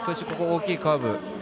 ここの大きなカーブ